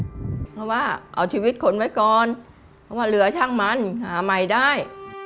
เพราะว่าเอาชีวิตคนไว้ก่อนเพราะว่าเหลือช่างมันหาใหม่ได้